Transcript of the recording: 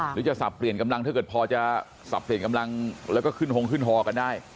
หรือจะสับเปลี่ยนกำลังถ้าเกิดพอจะสับเปลี่ยนกำลังแล้วก็ขึ้นฮงขึ้นฮอกันได้